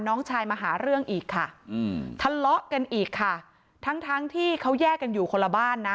น้องชายมาหาเรื่องอีกค่ะอืมทะเลาะกันอีกค่ะทั้งทั้งที่เขาแยกกันอยู่คนละบ้านนะ